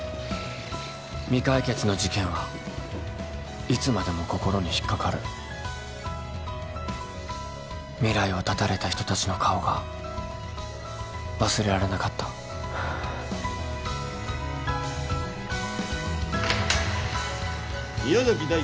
未解決の事件はいつまでも心に引っかかる未来を絶たれた人達の顔が忘れられなかった宮崎大輝